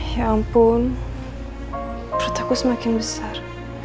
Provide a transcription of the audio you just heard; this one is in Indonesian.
ya ampun perut aku semakin besar